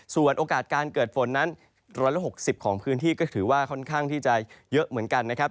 ส่วนโอกาสการเกิดฝนนั้น๑๖๐ของพื้นที่ก็ถือว่าค่อนข้างที่จะเยอะเหมือนกันนะครับ